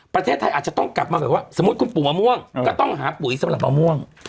ประเทศไทยอาจจะต้องกลับมาแบบว่าสมมุติคุณปลูกมะม่วงก็ต้องหาปุ๋ยสำหรับมะม่วง